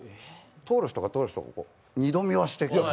通る人、通る人、二度見はしていきます。